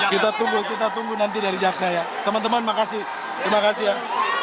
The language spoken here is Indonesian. kita tunggu kita tunggu nanti dari jaksa ya teman teman makasih terima kasih ya